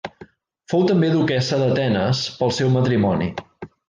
Fou també duquessa d'Atenes pel seu matrimoni.